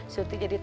surti jadi takut